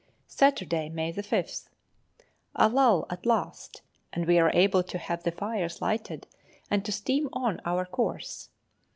Saturday, May 5th. A lull at last, and we are able to have the fires lighted and to steam on our course.